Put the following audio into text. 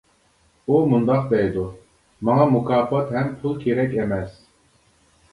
ئۇ مۇنداق دەيدۇ: ماڭا مۇكاپات ھەم پۇل كېرەك ئەمەس.